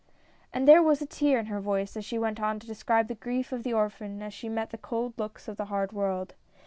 And there was a tear in her voice as she went on to describe the grief of the orphan as she met the cold looks of the hard world.